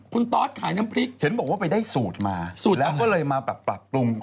คุณตอสขายน้ำพริกเห็นบอกว่าไปได้สูตรมาสูตรแล้วก็เลยมาแบบปรับปรุง